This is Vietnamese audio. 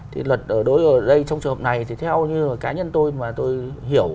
thì luật ở đây trong trường hợp này thì theo như là cá nhân tôi mà tôi hiểu